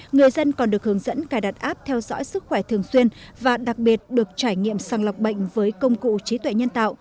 người dân còn được hướng dẫn cài đặt app theo dõi sức khỏe thường xuyên và đặc biệt được trải nghiệm sàng lọc bệnh với công cụ trí tuệ nhân tạo